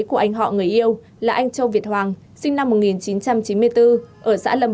của anh họ người yêu là anh châu việt hoàng sinh năm một nghìn chín trăm chín mươi bốn ở xã lâm bình tuyên quang